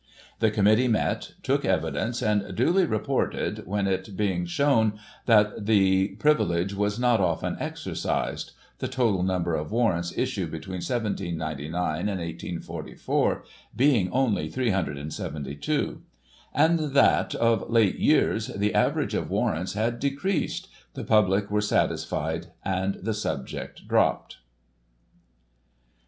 The Committee met, took evidence, and duly reported, when it being shewn that the privilege was not often exercised (the total number of warrants issued between 1799 and 1844 being only 372), and that, of late years, the average of warrants had decreased, the public were satisfied, and the subject dropped.